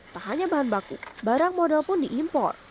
tak hanya bahan baku barang modal pun diimpor